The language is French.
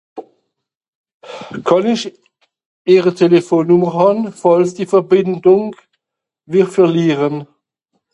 kan ich s'telefon hàn